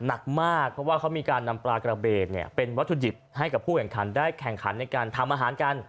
หนักมากเพราะว่าเขามีการนำปลากระเบนเนี่ยเป็นวัตถุดิบให้กับผู้แข่งขันได้แข่งขันในการทำอาหารกัน